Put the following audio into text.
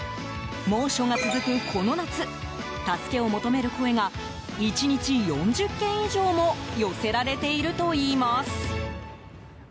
猛暑が続くこの夏助けを求める声が１日４０件以上も寄せられているといいます。